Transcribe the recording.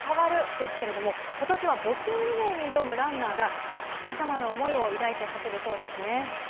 ですけれども、ことしは募金リレーに挑むランナーが、さまざまな想いを抱いて走るそうですね。